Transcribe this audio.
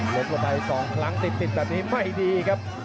ลบหัวใต้สองครั้งติดติดแบบนี้ไม่ดีครับ